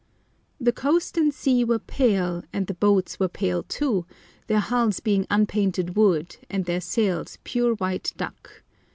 The coast and sea were pale, and the boats were pale too, their hulls being unpainted wood, and their sails pure white duck.